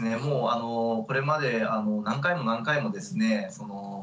もうこれまで何回も何回もですね